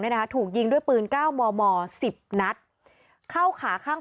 เนี่ยนะคะถูกยิงด้วยปืนเก้ามอมอสิบนัดเข้าขาข้าง